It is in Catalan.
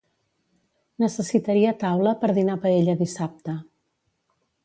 Necessitaria taula per dinar paella dissabte.